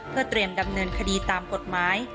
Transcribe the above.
เพื่อเตรียมดำเนินคดีตามกฎหมาย